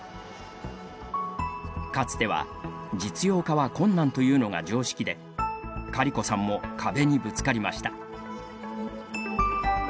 かつては実用化は困難というのが常識でカリコさんも壁にぶつかりました。